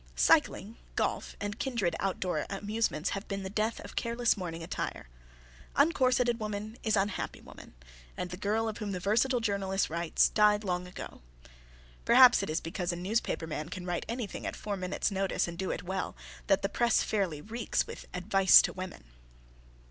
Cycling, golf, and kindred out door amusements have been the death of careless morning attire. Uncorseted woman is unhappy woman, and the girl of whom the versatile journalist writes died long ago. Perhaps it is because a newspaper man can write anything at four minutes' notice and do it well, that the press fairly reeks with "advice to women."